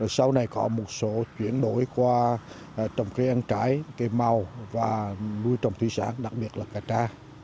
sau này có một số chuyển đổi qua trồng cây ăn trái cây mau và nuôi trồng thủy sản đặc biệt là cà tra